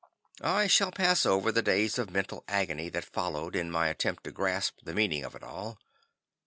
I shall pass over the days of mental agony that followed in my attempt to grasp the meaning of it all.